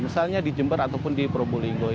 misalnya di jember ataupun di probolinggo